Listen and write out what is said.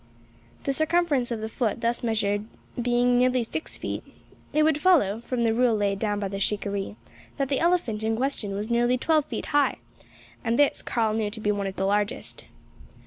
The circumference of the foot thus measured being nearly six feet, it would follow, from the rule laid down by the shikaree, that the elephant in question was nearly twelve feet high; and this Karl knew to be one of the largest.